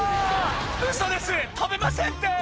「ウソです食べませんって！」